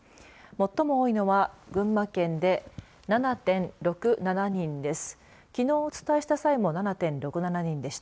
最も多いのは群馬県で７．６７人です。